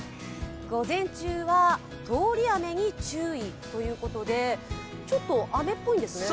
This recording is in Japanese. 午前中は通り雨に注意ということで、ちょっと雨っぽいんですね？